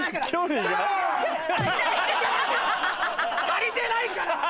足りてないから！